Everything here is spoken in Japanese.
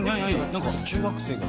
なんか中学生が。